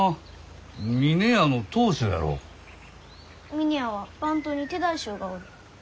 峰屋は番頭に手代衆がおる。